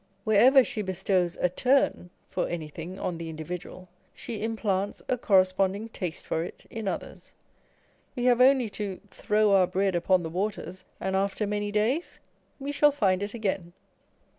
Wherever she bestows a turn for any thing on the individual, she implants a corresponding taste for it in others. We have only to " throw our bread upon the waters, and after many days we shall find it again."